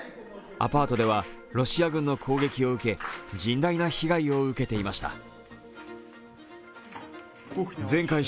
アパートではロシア軍の攻撃を受け、甚大な被害を受けていました。